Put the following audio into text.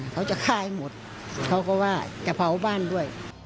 เขาจะฆ่าให้หมดเขาก็ว่าจะเผาบ้านด้วย